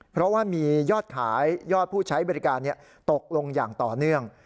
เพราะว่ามียอดขายยอดผู้ใช้บริการตกลงอย่างต่อเนื่อง